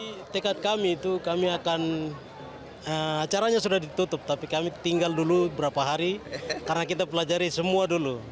dari tekad kami itu kami akan acaranya sudah ditutup tapi kami tinggal dulu beberapa hari karena kita pelajari semua dulu